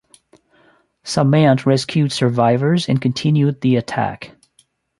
Samant rescued survivors and continued the attack.